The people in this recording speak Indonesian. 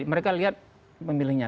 mereka lihat pemilihnya